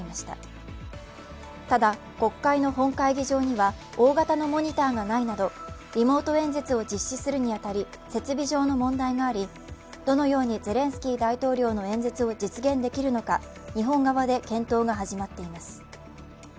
ただ国会の本会議場には大型のモニターがないなど、リモート演説を実施するに当たり設備上の問題がありどのようにゼレンスキー大統領の演説を実現できるのか日本側で検討が始まっています。